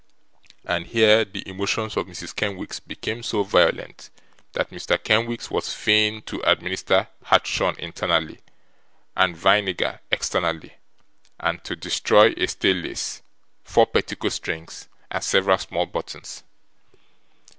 And, here, the emotions of Mrs. Kenwigs became so violent, that Mr. Kenwigs was fain to administer hartshorn internally, and vinegar externally, and to destroy a staylace, four petticoat strings, and several small buttons.